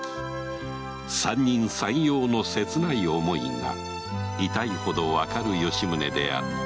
三人三様の切ない想いが痛いほどわかる吉宗であった